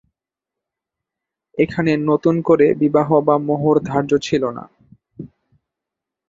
এখানে নতুন করে বিবাহ বা মোহর ধার্য ছিলোনা।